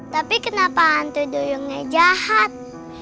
tapi kenapa hantu duyungnya jahat